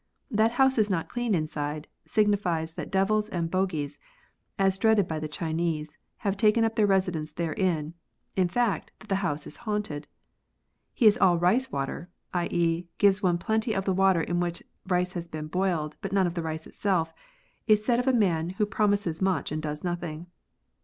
That house is not clean inside, signi fies that devils and bogies, so dreaded by the Chinese, have taken up their residence therein ; in fact, that the house is haunted. He's all rice water, i.e., gives one plenty of the w^ater in which rice has been boiled, but none of the rice itself, is said of a man who pro mises much and does nothing.